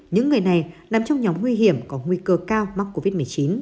những người này nằm trong nhóm nguy hiểm có nguy cơ cao mắc covid một mươi chín